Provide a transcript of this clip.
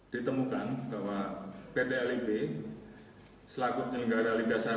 ditemukan bahwa pt lib selaku meninggal dari liga satu